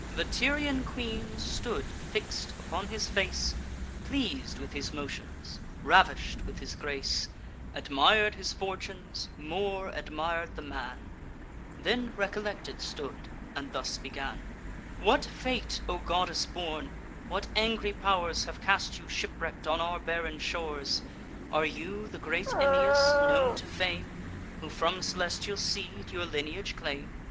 The Tyrian queen stood fix'd upon his face, Pleas'd with his motions, ravish'd with his grace; Admir'd his fortunes, more admir'd the man; Then recollected stood, and thus began: "What fate, O goddess born; what angry pow'rs Have cast you shipwreck'd on our barren shores? Are you the great Aeneas, known to fame, Who from celestial seed your lineage claim?